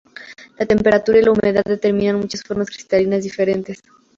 La temperatura y la humedad determinan muchas formas cristalinas diferentes.